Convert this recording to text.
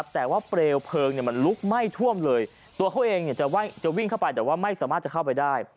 แต่ว่าเปลวเพลิงมันลุกไหม้ท่วมเลยตัวเขาเองจะวิ่งเข้าไปแต่ว่าไม่สามารถจะเข้าไปได้